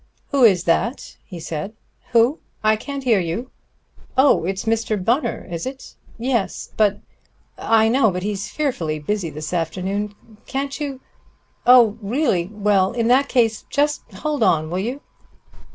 "Who is that?" he said. "Who?... I can't hear you ... Oh, it's Mr. Bunner, is it? Yes, but ... I know, but he's fearfully busy this afternoon. Can't you ... Oh, really? Well, in that case just hold on, will you?"